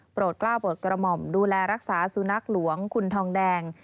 กล้าวโปรดกระหม่อมดูแลรักษาสุนัขหลวงคุณทองแดง